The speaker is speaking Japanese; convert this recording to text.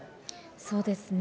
そうですね。